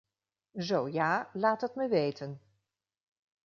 Zo ja, laat het me weten.